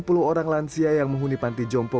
ada enam puluh orang lansia yang menghuni panti jompo